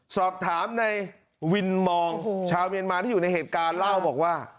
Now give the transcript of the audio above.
สอบถามในวินมองชาวเมียนมาที่อยู่ในเหตุการณ์เล่าบอกว่า